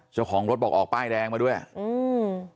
เจ้าของรถบอกออกป้ายแดงมาด้วยอืม